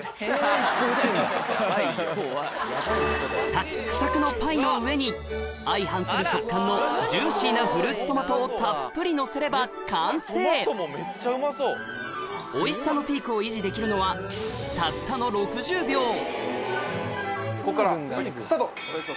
サックサクのパイの上に相反する食感のジューシーなフルーツトマトをたっぷりのせれば完成おいしさのピークを維持できるのはたったのここからスタート！